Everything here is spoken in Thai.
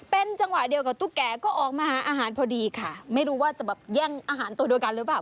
เป็นจังหวะเดียวกับตุ๊กแก่ก็ออกมาหาอาหารพอดีค่ะไม่รู้ว่าจะแบบแย่งอาหารตัวเดียวกันหรือเปล่า